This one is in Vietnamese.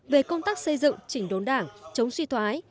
về công tác xây dựng chỉnh đốn đảng chống suy thoái